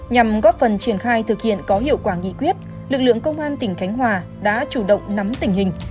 nhằm góp phần triển khai thực hiện có hiệu quả nghị quyết lực lượng công an tỉnh khánh hòa đã chủ động nắm tình hình